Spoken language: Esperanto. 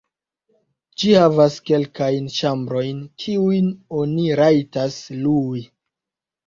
Ĝi havas kelkajn ĉambrojn, kiujn oni rajtas lui.